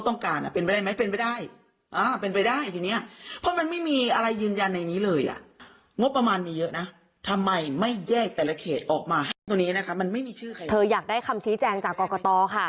อยากได้คำชี้แจงจากกรกตค่ะ